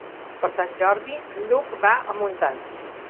Per Sant Jordi en Lluc va a Montant.